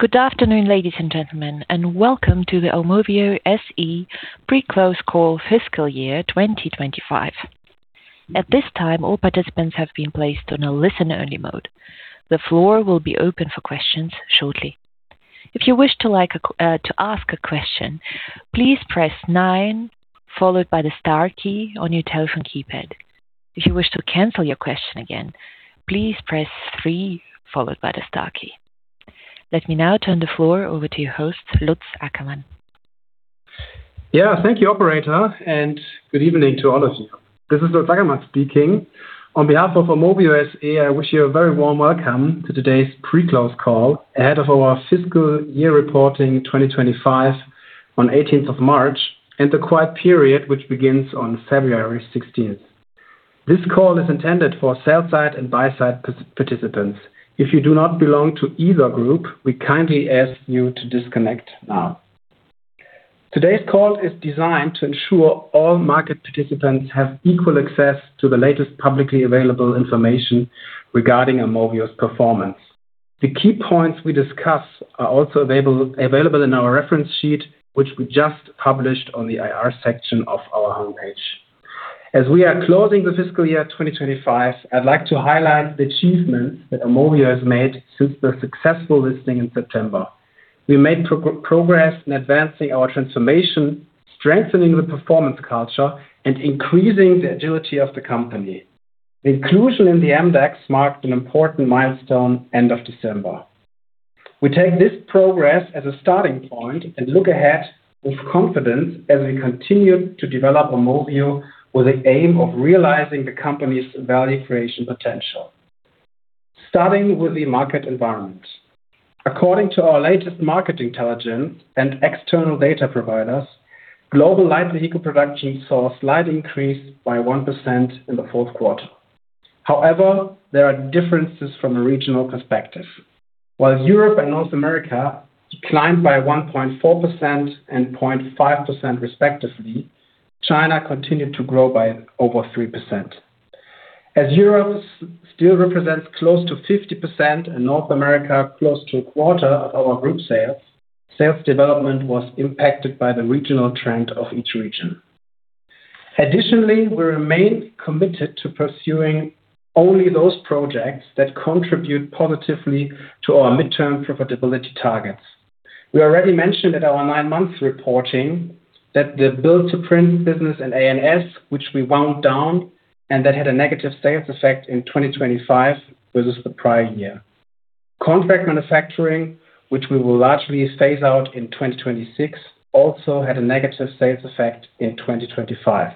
Good afternoon, ladies and gentlemen, and welcome to the Aumovio SE pre-close call fiscal year 2025. At this time, all participants have been placed on a listen-only mode. The floor will be open for questions shortly. If you wish to ask a question, please press nine followed by the star key on your telephone keypad. If you wish to cancel your question again, please press three followed by the star key. Let me now turn the floor over to your host, Lutz Ackermann. Yeah, thank you, operator, and good evening to all of you. This is Lutz Ackermann speaking. On behalf of Aumovio SE, I wish you a very warm welcome to today's pre-close call ahead of our fiscal year reporting 2025 on 18th of March and the quiet period which begins on February 16th. This call is intended for sell-side and buy-side participants. If you do not belong to either group, we kindly ask you to disconnect now. Today's call is designed to ensure all market participants have equal access to the latest publicly available information regarding Aumovio's performance. The key points we discuss are also available, available in our reference sheet, which we just published on the IR section of our homepage. As we are closing the fiscal year 2025, I'd like to highlight the achievements that Aumovio has made since the successful listing in September. We made progress in advancing our transformation, strengthening the performance culture, and increasing the agility of the company. Inclusion in the MDAX marked an important milestone end of December. We take this progress as a starting point and look ahead with confidence as we continue to develop Aumovio with the aim of realizing the company's value creation potential. Starting with the market environment. According to our latest market intelligence and external data providers, global light vehicle production saw a slight increase by 1% in the fourth quarter. However, there are differences from a regional perspective. While Europe and North America declined by 1.4% and 0.5% respectively, China continued to grow by over 3%. As Europe still represents close to 50% and North America close to a quarter of our group sales, sales development was impacted by the regional trend of each region. Additionally, we remain committed to pursuing only those projects that contribute positively to our midterm profitability targets. We already mentioned at our nine-month reporting that the build-to-print business in A&S, which we wound down and that had a negative sales effect in 2025 versus the prior year. Contract manufacturing, which we will largely phase out in 2026, also had a negative sales effect in 2025.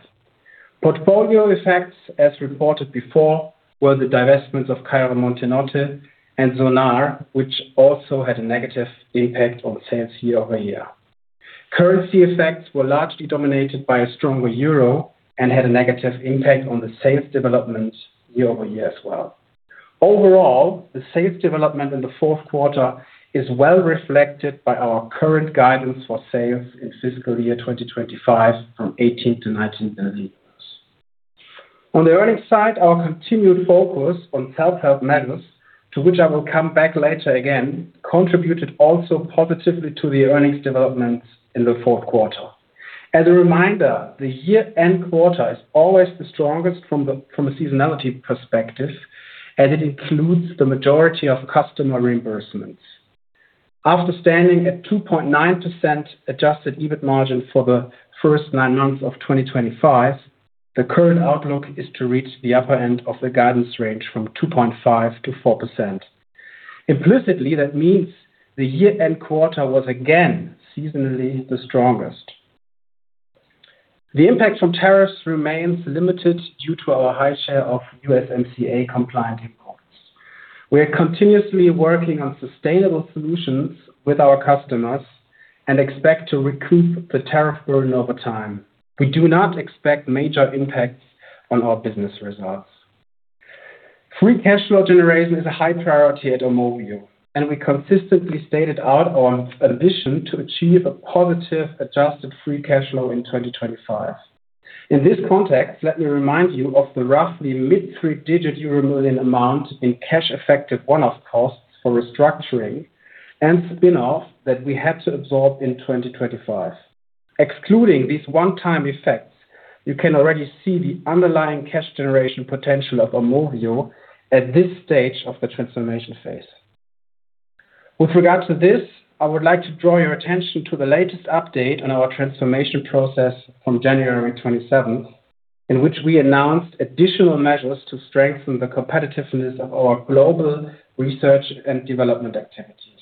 Portfolio effects, as reported before, were the divestments of Cairo Montenotte and Lohmar, which also had a negative impact on sales year-over-year. Currency effects were largely dominated by a stronger euro and had a negative impact on the sales development year-over-year as well. Overall, the sales development in the fourth quarter is well reflected by our current guidance for sales in fiscal year 2025 from 18th to 19th of the year. On the earnings side, our continued focus on self-help matters, to which I will come back later again, contributed also positively to the earnings developments in the fourth quarter. As a reminder, the year-end quarter is always the strongest from a seasonality perspective, as it includes the majority of customer reimbursements. After standing at 2.9% adjusted EBIT margin for the first nine months of 2025, the current outlook is to reach the upper end of the guidance range from 2.5%-4%. Implicitly, that means the year-end quarter was again seasonally the strongest. The impact from tariffs remains limited due to our high share of USMCA-compliant imports. We are continuously working on sustainable solutions with our customers and expect to recoup the tariff burden over time. We do not expect major impacts on our business results. Free cash flow generation is a high priority at Aumovio, and we consistently stated out our ambition to achieve a positive adjusted free cash flow in 2025. In this context, let me remind you of the roughly mid-three-digit euro million amount in cash-effective one-off costs for restructuring and spinoff that we had to absorb in 2025. Excluding these one-time effects, you can already see the underlying cash generation potential of Aumovio at this stage of the transformation phase. With regard to this, I would like to draw your attention to the latest update on our transformation process from January 27th, in which we announced additional measures to strengthen the competitiveness of our global research and development activities.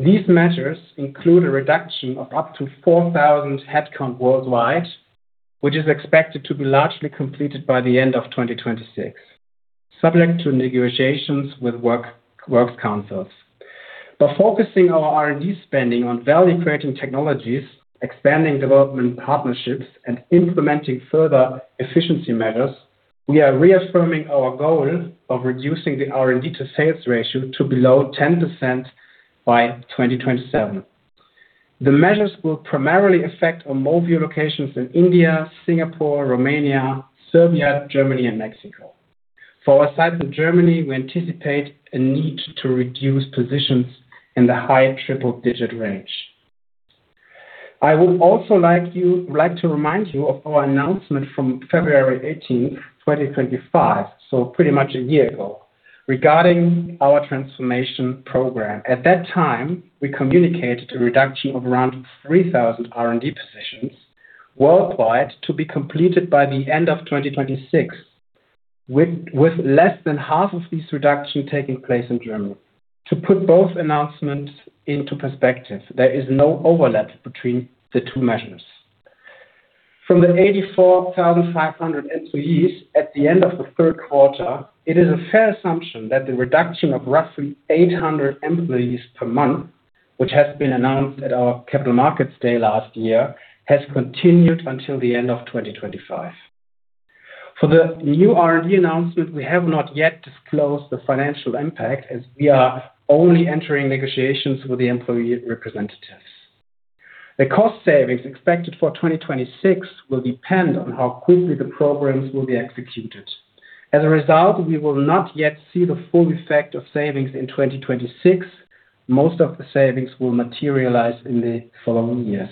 These measures include a reduction of up to 4,000 headcount worldwide, which is expected to be largely completed by the end of 2026, subject to negotiations with works councils. By focusing our R&D spending on value-creating technologies, expanding development partnerships, and implementing further efficiency measures, we are reaffirming our goal of reducing the R&D-to-sales ratio to below 10% by 2027. The measures will primarily affect Aumovio locations in India, Singapore, Romania, Serbia, Germany, and Mexico. For our site in Germany, we anticipate a need to reduce positions in the high triple-digit range. I would also like to remind you of our announcement from February 18th, 2025, so pretty much a year ago, regarding our transformation program. At that time, we communicated a reduction of around 3,000 R&D positions worldwide to be completed by the end of 2026, with less than half of these reductions taking place in Germany. To put both announcements into perspective, there is no overlap between the two measures. From the 84,500 employees at the end of the third quarter, it is a fair assumption that the reduction of roughly 800 employees per month, which has been announced at our Capital Markets Day last year, has continued until the end of 2025. For the new R&D announcement, we have not yet disclosed the financial impact, as we are only entering negotiations with the employee representatives. The cost savings expected for 2026 will depend on how quickly the programs will be executed. As a result, we will not yet see the full effect of savings in 2026. Most of the savings will materialize in the following years.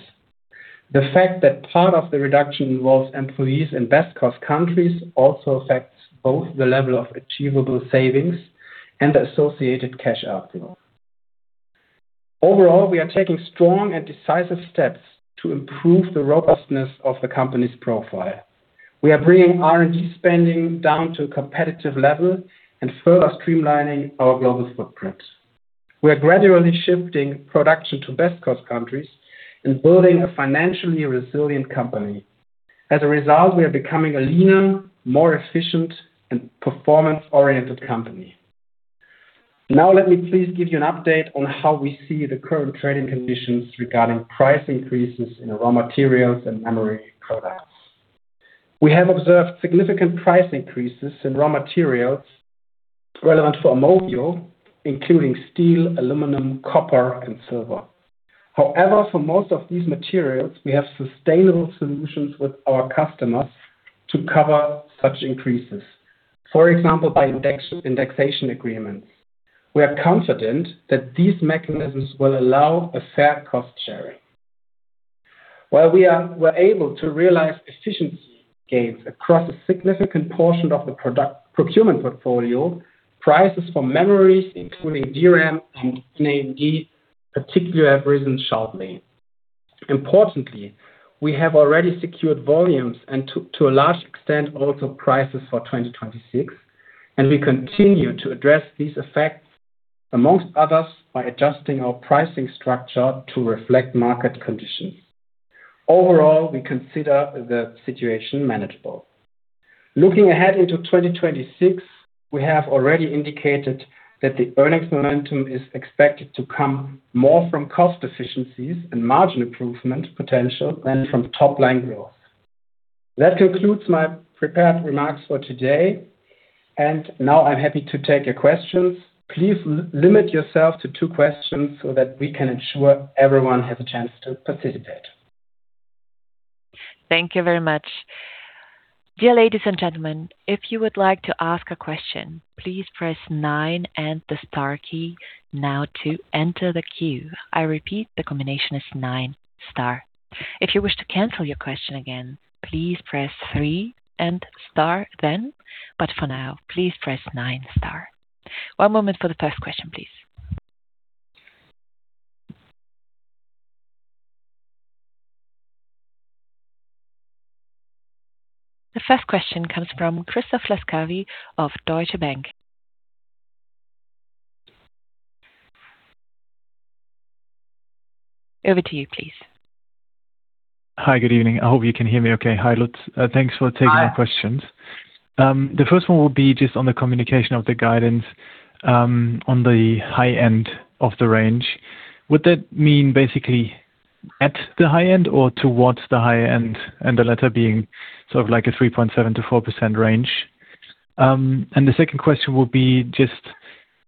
The fact that part of the reduction involves employees in best-cost countries also affects both the level of achievable savings and the associated cash outflow. Overall, we are taking strong and decisive steps to improve the robustness of the company's profile. We are bringing R&D spending down to a competitive level and further streamlining our global footprint. We are gradually shifting production to best-cost countries and building a financially resilient company. As a result, we are becoming a leaner, more efficient, and performance-oriented company. Now, let me please give you an update on how we see the current trading conditions regarding price increases in raw materials and memory products. We have observed significant price increases in raw materials relevant for Aumovio, including steel, aluminum, copper, and silver. However, for most of these materials, we have sustainable solutions with our customers to cover such increases, for example, by indexation agreements. We are confident that these mechanisms will allow a fair cost sharing. While we're able to realize efficiency gains across a significant portion of the product procurement portfolio, prices for memories, including DRAM and NAND, particularly have risen sharply. Importantly, we have already secured volumes and, to a large extent, also prices for 2026, and we continue to address these effects, amongst others, by adjusting our pricing structure to reflect market conditions. Overall, we consider the situation manageable. Looking ahead into 2026, we have already indicated that the earnings momentum is expected to come more from cost efficiencies and margin improvement potential than from top-line growth. That concludes my prepared remarks for today, and now I'm happy to take your questions. Please limit yourself to two questions so that we can ensure everyone has a chance to participate. Thank you very much. Dear ladies and gentlemen, if you would like to ask a question, please press nine and the star key now to enter the queue. I repeat, the combination is nine star. If you wish to cancel your question again, please press three and star then, but for now, please press nine star. One moment for the first question, please. The first question comes from Christoph Laskawi of Deutsche Bank. Over to you, please. Hi, good evening. I hope you can hear me okay. Hi, Lutz. Thanks for taking my questions. Hi. The first one will be just on the communication of the guidance, on the high end of the range. Would that mean basically at the high end or towards the high end, and the latter being sort of like a 3.7%-4% range? The second question will be just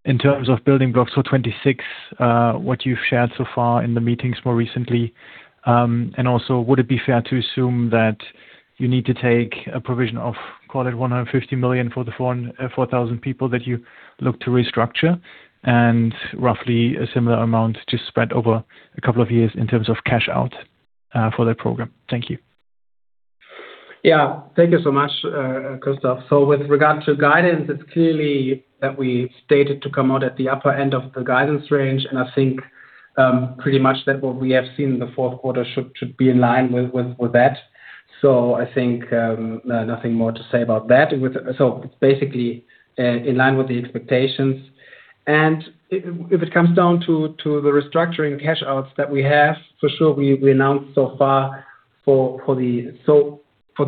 in terms of building blocks for 2026, what you've shared so far in the meetings more recently, and also, would it be fair to assume that you need to take a provision of, call it, 150 million for the foreign, 4,000 people that you look to restructure and roughly a similar amount just spread over a couple of years in terms of cash out, for that program? Thank you. Yeah, thank you so much, Christoph. So with regard to guidance, it's clearly that we stated to come out at the upper end of the guidance range, and I think, pretty much that what we have seen in the fourth quarter should be in line with that. So I think, nothing more to say about that. So it's basically in line with the expectations. And if it comes down to the restructuring cash outs that we have, for sure we announced so far for the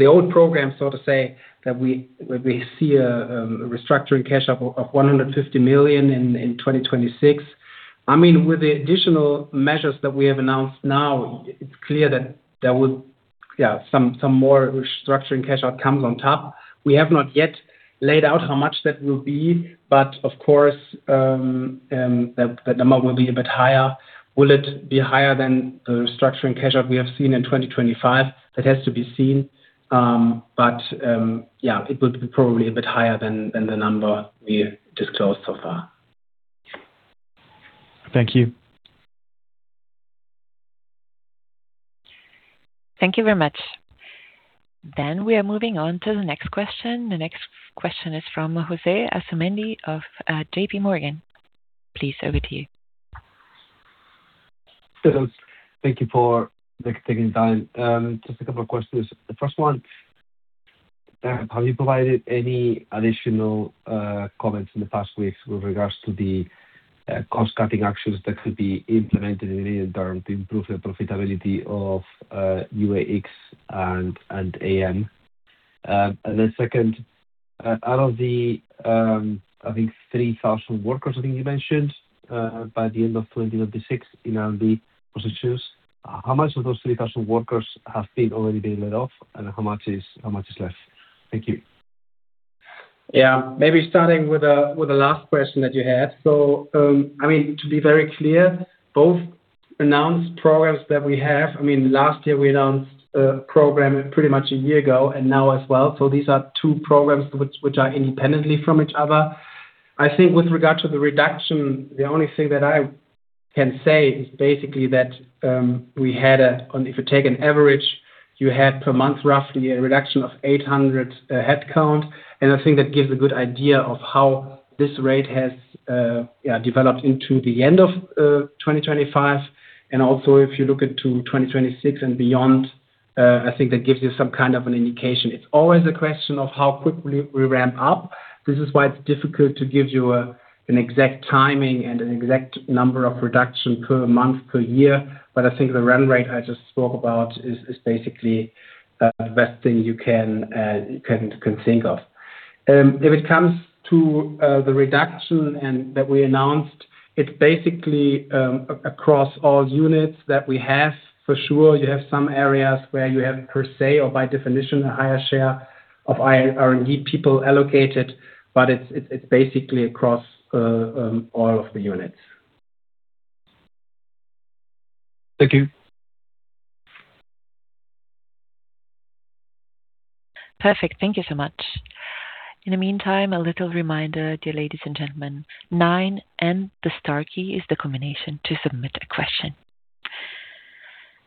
old program, so to say, that we see a restructuring cash out of 150 million in 2026. I mean, with the additional measures that we have announced now, it's clear that there will, yeah, some more restructuring cash out comes on top. We have not yet laid out how much that will be, but of course, that number will be a bit higher. Will it be higher than the restructuring cash out we have seen in 2025? That has to be seen, but, yeah, it will be probably a bit higher than the number we disclosed so far. Thank you. Thank you very much. Then we are moving on to the next question. The next question is from José Asumendi of JP Morgan. Please, over to you. Hello. Thank you for taking time. Just a couple of questions. The first one, have you provided any additional comments in the past weeks with regards to the cost-cutting actions that could be implemented in the near term to improve the profitability of UAX and—and AM? And then second, out of the, I think 3,000 workers, I think you mentioned, by the end of 2026 in R&D positions, how much of those 3,000 workers have already been laid off, and how much is—how much is left? Thank you. Yeah, maybe starting with the last question that you had. So, I mean, to be very clear, both announced programs that we have I mean, last year we announced a program pretty much a year ago and now as well. So these are two programs which are independently from each other. I think with regard to the reduction, the only thing that I can say is basically that we had, on if you take an average, you had per month roughly a reduction of 800 headcount, and I think that gives a good idea of how this rate has, yeah, developed into the end of 2025. And also, if you look into 2026 and beyond, I think that gives you some kind of an indication. It's always a question of how quickly we ramp up. This is why it's difficult to give you an exact timing and an exact number of reduction per month, per year, but I think the run rate I just spoke about is basically the best thing you can think of. If it comes to the reduction that we announced, it's basically across all units that we have, for sure. You have some areas where you have per se, or by definition, a higher share of R&D people allocated, but it's basically across all of the units. Thank you. Perfect. Thank you so much. In the meantime, a little reminder, dear ladies and gentlemen, nine and the star key is the combination to submit a question.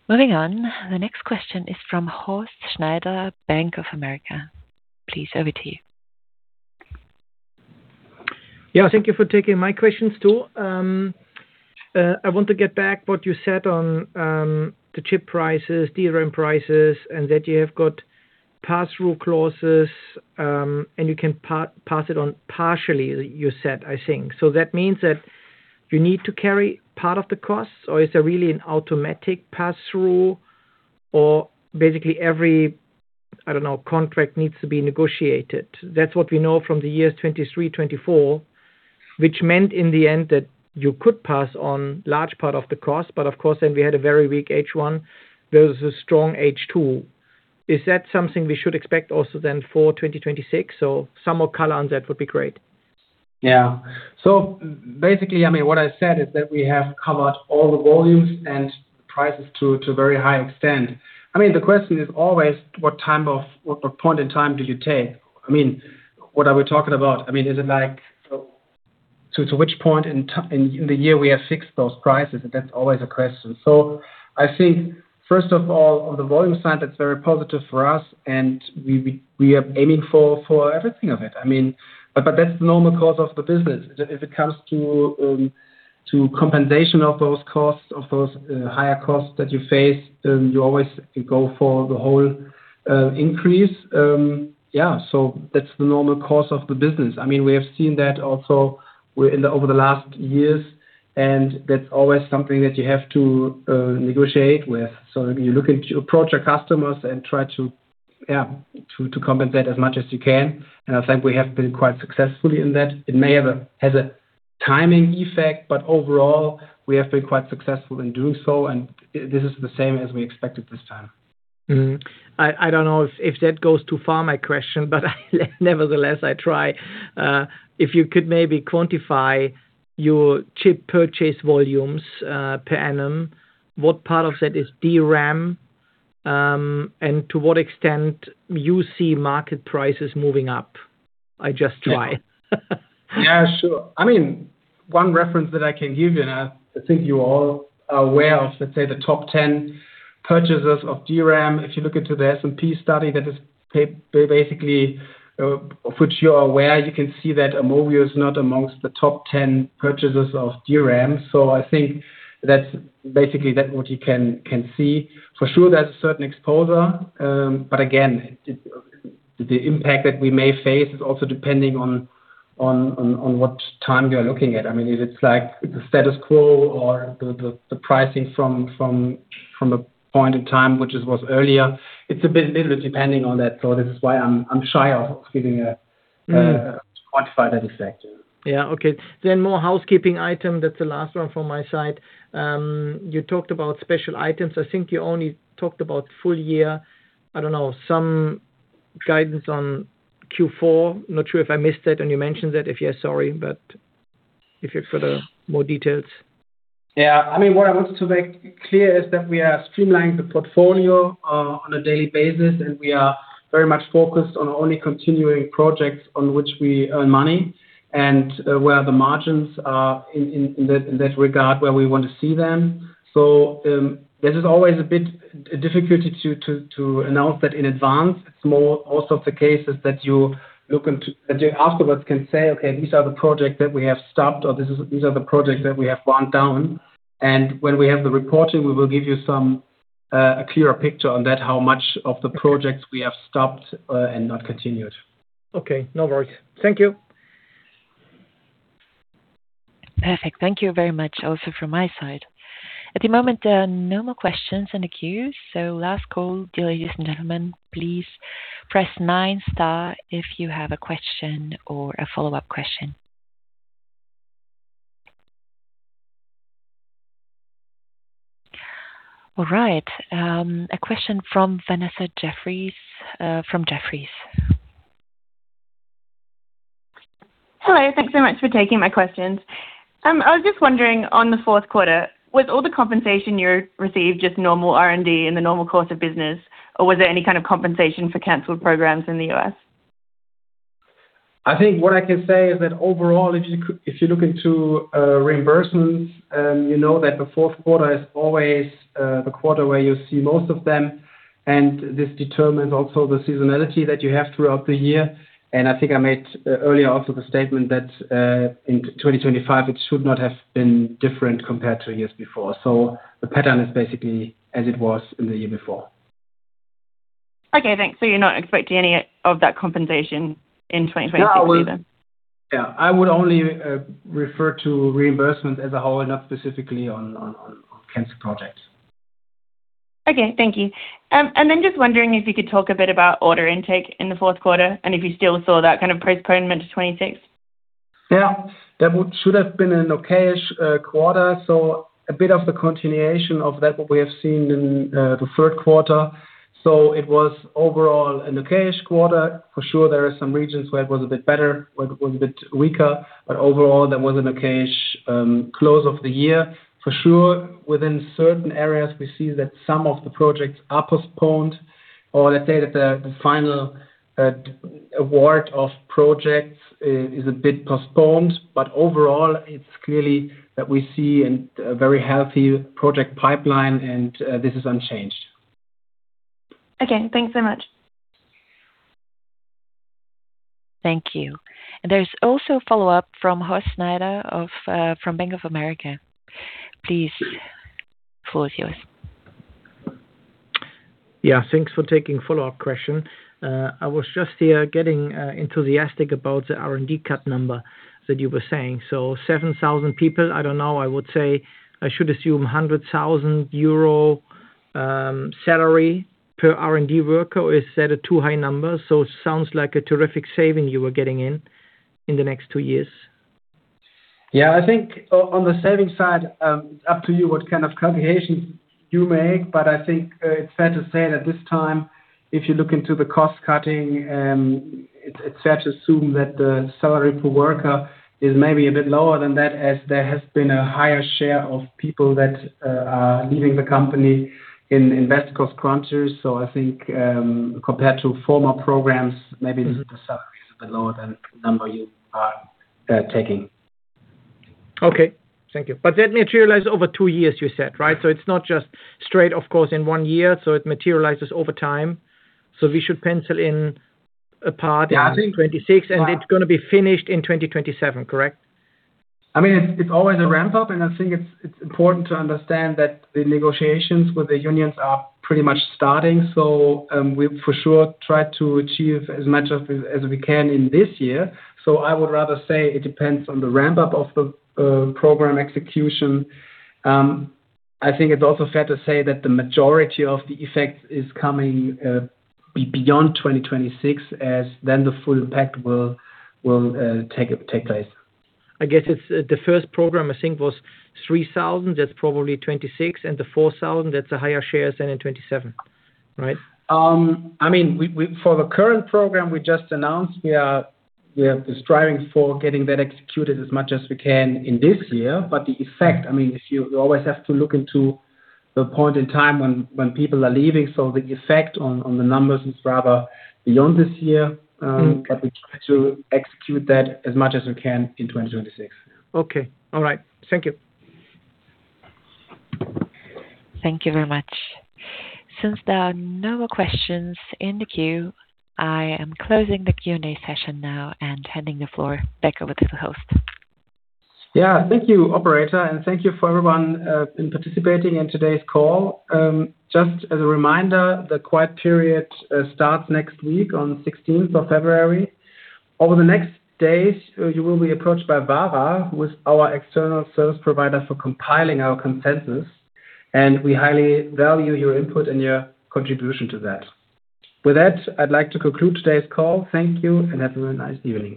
Moving on, the next question is from Horst Schneider, Bank of America. Please, over to you. Yeah, thank you for taking my questions too. I want to get back what you said on, the chip prices, DRAM prices, and that you have got pass-through clauses, and you can pass it on partially, you said, I think. So that means that you need to carry part of the costs, or is there really an automatic pass-through, or basically every, I don't know, contract needs to be negotiated? That's what we know from the years 2023, 2024, which meant in the end that you could pass on large part of the cost, but of course, then we had a very weak H1 versus a strong H2. Is that something we should expect also then for 2026? So some more color on that would be great. Yeah. So basically, I mean, what I said is that we have covered all the volumes and the prices to a very high extent. I mean, the question is always, what point in time do you take? I mean, what are we talking about? I mean, is it like, to which point in time in the year we have fixed those prices? And that's always a question. So I think, first of all, on the volume side, that's very positive for us, and we are aiming for everything of it. I mean, but that's the normal course of the business. If it comes to compensation of those costs, of those higher costs that you face, you always go for the whole increase. Yeah, so that's the normal course of the business. I mean, we have seen that also we're in the over the last years, and that's always something that you have to negotiate with. So you look into approach your customers and try to, yeah, to compensate as much as you can. And I think we have been quite successfully in that. It may have a timing effect, but overall, we have been quite successful in doing so, and this is the same as we expected this time. Mm-hmm. I don't know if that goes too far, my question, but I nevertheless, I try. If you could maybe quantify your chip purchase volumes, per annum, what part of that is DRAM, and to what extent you see market prices moving up? I just try. Yeah. Yeah, sure. I mean, one reference that I can give you, and I think you all are aware of, let's say, the top 10 purchases of DRAM. If you look into the S&P study that is paid basically, of which you're aware, you can see that Aumovio is not amongst the top 10 purchases of DRAM. So I think that's basically what you can see. For sure, there's a certain exposure, but again, it's the impact that we may face is also depending on what time you're looking at. I mean, if it's like the status quo or the pricing from a point in time, which was earlier, it's a little depending on that. So this is why I'm shy of quantifying that effect, yeah. Yeah, okay. Then more housekeeping item. That's the last one from my side. You talked about special items. I think you only talked about full year. I don't know, some guidance on Q4. Not sure if I missed that, and you mentioned that. If yes, sorry, but if you've got more details. Yeah. I mean, what I wanted to make clear is that we are streamlining the portfolio, on a daily basis, and we are very much focused on only continuing projects on which we earn money and, where the margins are in that regard, where we want to see them. So, there's just always a bit of a difficulty to announce that in advance. It's more also of the cases that you look into that you afterwards can say, "Okay, these are the projects that we have stopped," or "These are the projects that we have worn down." And when we have the reporting, we will give you some, a clearer picture on that, how much of the projects we have stopped, and not continued. Okay. No worries. Thank you. Perfect. Thank you very much also from my side. At the moment, there are no more questions in the queue, so last call, dear ladies and gentlemen, please press nine star if you have a question or a follow-up question. All right. A question from Vanessa Jeffriess, from Jefferies. Hello. Thanks so much for taking my questions. I was just wondering, on the fourth quarter, was all the compensation you received just normal R&D in the normal course of business, or was there any kind of compensation for cancelled programs in the U.S.? I think what I can say is that overall, if you look into reimbursements, you know that the fourth quarter is always the quarter where you see most of them, and this determines also the seasonality that you have throughout the year. I think I made earlier also the statement that in 2025 it should not have been different compared to years before. The pattern is basically as it was in the year before. Okay. Thanks. So you're not expecting any of that compensation in 2026 either? No. Yeah. I would only refer to reimbursements as a whole, not specifically on cancelled projects. Okay. Thank you. And then just wondering if you could talk a bit about order intake in the fourth quarter and if you still saw that kind of postponement to 2026? Yeah. That should have been an okay-ish quarter. So a bit of the continuation of that what we have seen in the third quarter. So it was overall an okay-ish quarter. For sure, there are some regions where it was a bit better, where it was a bit weaker, but overall, there was an okay-ish close of the year. For sure, within certain areas, we see that some of the projects are postponed, or let's say that the final award of projects is a bit postponed, but overall, it's clear that we see a very healthy project pipeline, and this is unchanged. Okay. Thanks so much. Thank you. There's also a follow-up from Horst Schneider of Bank of America. Please, Horst, yours. Yeah. Thanks for taking a follow-up question. I was just here getting enthusiastic about the R&D cut number that you were saying. So 7,000 people, I don't know, I would say I should assume 100,000 euro salary per R&D worker. Is that a too high number? So it sounds like a terrific saving you were getting in the next 2 years. Yeah. I think on the savings side, it's up to you what kind of calculations you make, but I think it's fair to say that this time, if you look into the cost-cutting, it's fair to assume that the salary per worker is maybe a bit lower than that as there has been a higher share of people that are leaving the company in West Coast countries. So I think, compared to former programs, maybe the salary is a bit lower than the number you are taking. Okay. Thank you. But that materialized over 2 years, you said, right? So it's not just straight, of course, in 1 year. So it materializes over time. So we should pencil in a part in 2026, and it's going to be finished in 2027, correct? Yeah. I mean, it's always a ramp-up, and I think it's important to understand that the negotiations with the unions are pretty much starting. So, we for sure try to achieve as much as we can in this year. So I would rather say it depends on the ramp-up of the program execution. I think it's also fair to say that the majority of the effects is coming beyond 2026 as then the full impact will take place. I guess it's the first program, I think, was 3,000. That's probably 2026, and the 4,000, that's a higher share than in 2027, right? I mean, we for the current program we just announced, we are striving for getting that executed as much as we can in this year. But the effect, I mean, if you always have to look into the point in time when people are leaving. So the effect on the numbers is rather beyond this year, but we try to execute that as much as we can in 2026, yeah. Okay. All right. Thank you. Thank you very much. Since there are no more questions in the queue, I am closing the Q&A session now and handing the floor back over to the host. Yeah. Thank you, operator, and thank you for everyone, in participating in today's call. Just as a reminder, the quiet period starts next week on 16th of February. Over the next days, you will be approached by Vara, who is our external service provider for compiling our consensus, and we highly value your input and your contribution to that. With that, I'd like to conclude today's call. Thank you, and have a very nice evening.